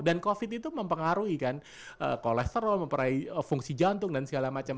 dan covid itu mempengaruhi kan kolesterol memperaih fungsi jantung dan segala macam